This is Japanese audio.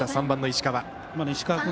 ３番の石川。